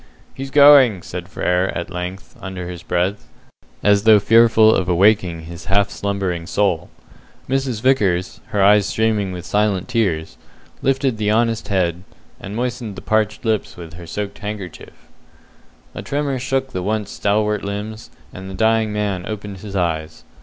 "He's going!" said Frere at length, under his breath, as though fearful of awaking his half slumbering soul. Mrs. Vickers, her eyes streaming with silent tears, lifted the honest head, and moistened the parched lips with her soaked handkerchief. A tremor shook the once stalwart limbs, and the dying man opened his eyes.